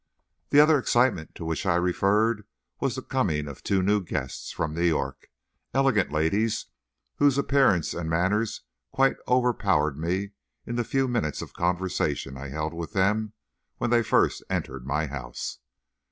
The other excitement to which I referred was the coming of two new guests from New York, elegant ladies, whose appearance and manners quite overpowered me in the few minutes of conversation I held with them when they first entered my house.